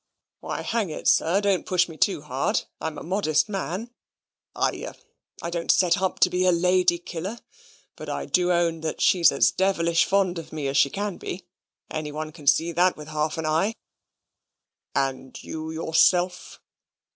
"Why, hang it, sir, don't push me too hard. I'm a modest man. I ah I don't set up to be a lady killer; but I do own that she's as devilish fond of me as she can be. Anybody can see that with half an eye." "And you yourself?"